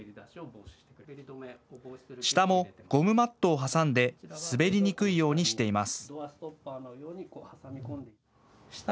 下もゴムマットを挟んで滑りにくいようにしています。